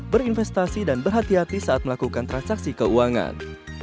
berinvestasi dan berhati hati saat melakukan transaksi keuangan